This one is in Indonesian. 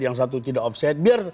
yang satu tidak offside